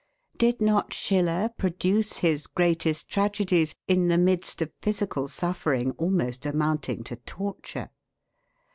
Did not Schiller produce his greatest tragedies in the midst of physical suffering almost amounting to torture?